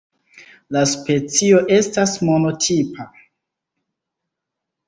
La specio estas monotipa.